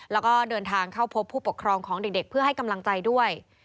แล้วก็เดินทางเข้าพบผู้ปกครองของเด็กเพื่อให้กำลังใจด้วย